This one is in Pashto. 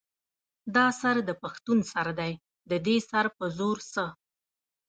دا سر د پښتون سر دے ددې سر پۀ وزر څۀ